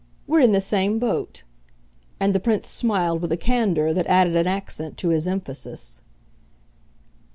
We're in the same boat" and the Prince smiled with a candour that added an accent to his emphasis.